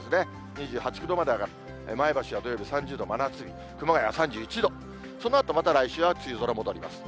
２８、９度まで上がって、前橋は土曜日３０度、真夏日、熊谷３１度、そのあとまた来週は、梅雨空戻ります。